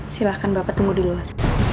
silahkan bapak tunggu di luar